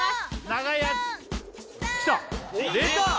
長いやつきたでた！